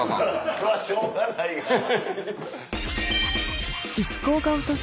そらしょうがないがな。